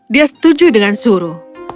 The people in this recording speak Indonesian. dia setuju dengan suruh